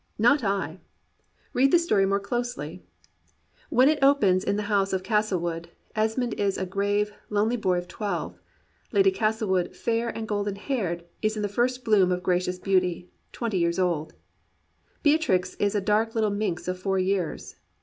Not I. Read the story more closely. When It opens, in the house of Castlewood, Es mond is a grave, lonely boy of twelve; Lady Castle wood, fair and golden haired, is in the first bloom of gracious beauty, twenty years old; Beatrix is a dark little minx of four years.